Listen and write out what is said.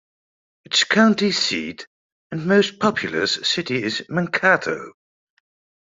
Its county seat and most populous city is Mankato.